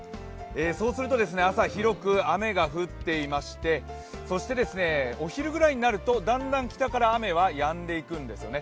そうすると朝、広く雨が降っていまして、そしてお昼ぐらいになるとだんだん北から雨はやんでいくんですね。